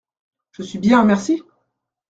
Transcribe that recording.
Je suis bien, merci !